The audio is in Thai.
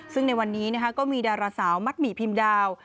ซึ่งในวันนี้ก็มีดาราสาวมัดหมี่พิมดาว